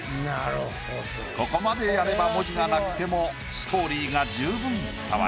ここまでやれば文字がなくてもストーリーが十分伝わります。